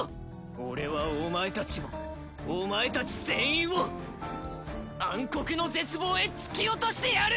俺はお前たちをお前たち全員を暗黒の絶望へ突き落としてやる！